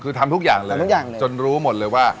คือทำทุกอย่างเลยจนรู้หมดเลยว่า